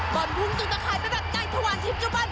บรรพุงจงจะขายเป็นแบบในถวันชิมเจ้าบ้าน